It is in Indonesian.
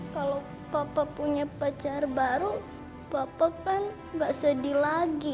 kalau papa punya pacar baru papa kan nggak sedih lagi